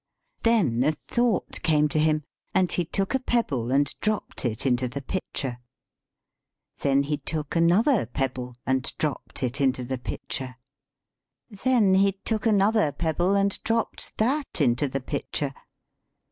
Then a thought came to him, and he took a pebble and dropped it into the pitcher. Then he took another pebble and dropped it into the pitcher. Then he took another pebble and dropped that into the pitcher.